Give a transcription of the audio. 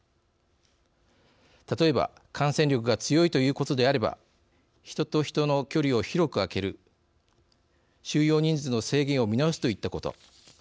例えば感染力が強いということであれば人と人の距離を広く空ける収容人数の制限を見直すといったこと。